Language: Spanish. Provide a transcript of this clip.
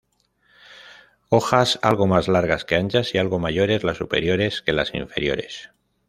Hojas algo más largas que anchas y algo mayores las superiores que las inferiores.